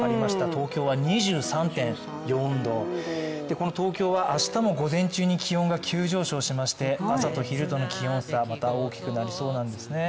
東京は２３．４度、この東京は明日も午前中に気温が急上昇しまして、朝と昼との気温差、また大きくなりそうなんですね。